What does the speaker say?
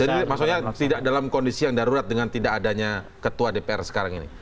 jadi maksudnya tidak dalam kondisi yang darurat dengan tidak adanya ketua dpr sekarang ini